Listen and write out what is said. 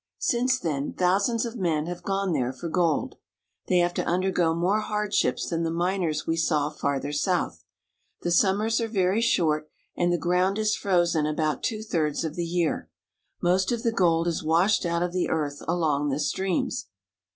Since then thousands of men have gone there for gold. They have to undergo more hardships than the miners we saw farther south. The summers are very short, and the ground is frozen about two thirds of the year. Most of the gold is washed out of the earth along the streams.